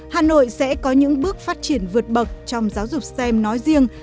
hà nội sẽ có những bước phát triển vượt bậc trong giáo dục stem nói riêng